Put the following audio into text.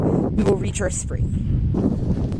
We will reach our spring.